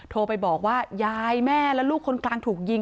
โทรไปบอกว่ายายแม่และลูกคนกลางถูกยิง